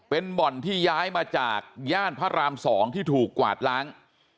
เป็นบ่อนที่ย้ายมาจากย่านพระราม๒ที่ถูกกวาดล้าง